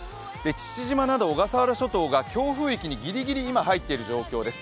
父島など小笠原諸島が強風域にぎりぎり入っている状況です。